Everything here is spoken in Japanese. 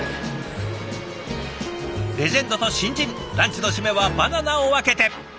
レジェンドと新人ランチの締めはバナナを分けて。